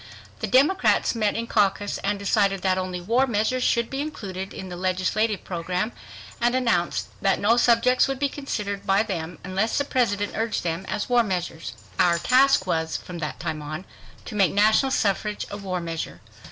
The Democrats met in caucus and decided that only "war measures" should be included in the legislative program, and announced that no subjects would be considered by them, unless the President urged them as war measures. Our task was, from that time on, to make national suffrage a war measure.